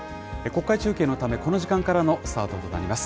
国会中継のため、この時間からのスタートとなります。